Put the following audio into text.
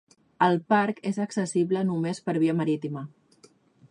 El parc és accessible només per via marítima.